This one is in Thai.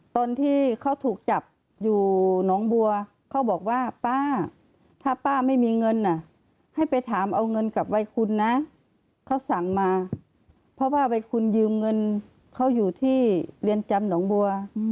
ตอนที่เขาถูกจับอยู่หนองบัวเขาบอกว่าป้าถ้าป้าไม่มีเงินให้ไปถามเอาเงินกับวัยคุณนะเขาสั่งมาเพราะว่าวัยคุณยืมเงินเขาอยู่ที่เรือนจำหนองบัว